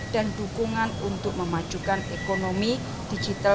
dan dukungan untuk memajukan ekonomi digital